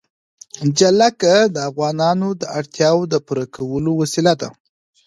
جلګه د افغانانو د اړتیاوو د پوره کولو وسیله ده.